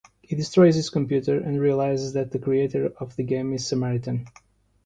He destroys his computer and realizes that the creator of the game is Samaritan.